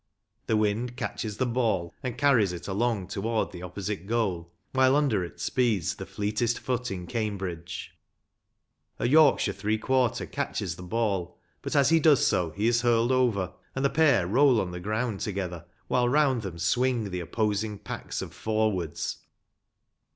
The wind catches the ball, and carries it along toward the opposite goal, while under it speeds the fleetest foot in Cambridge. A Yorkshire three quarter catches the ball, but as he does so he is hurled over, and the pair roll on the ground together, while round them swing the opposing packs of forwards.